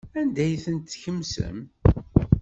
Anda ay tent-tkemsem?